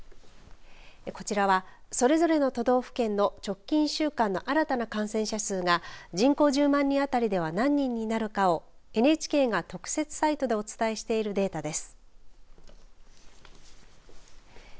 こちらはそれぞれの都道府県の直近１週間の新たな感染者数が人口１０万人当たりでは何人になるかをＮＨＫが特設サイトでお伝えしているデータです。